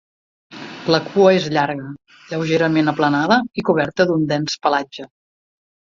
La cua és llarga, lleugerament aplanada i coberta d'un dens pelatge.